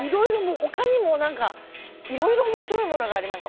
他にもいろいろ面白いものがありました。